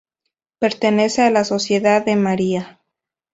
Pertenece a la Sociedad de María.